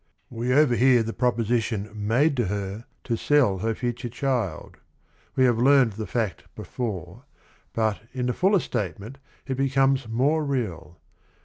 We overhear the proposition made TERTIUM QUID 49 to her to sell her future child. We have learned the fact before, but in the fuller statement it becomes more real.